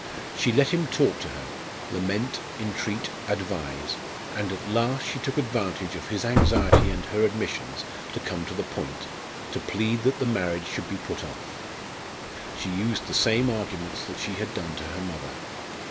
She let him talk to her lament, entreat, advise and at last she took advantage of his anxiety and her admissions to come to the point, to plead that the marriage should be put off. She used the same arguments that she had done to her mother.